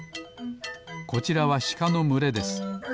こちらはしかのむれです。